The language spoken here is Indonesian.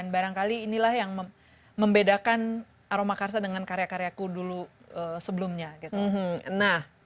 barangkali inilah yang membedakan aroma karsa dengan karya karyaku dulu sebelumnya gitu nah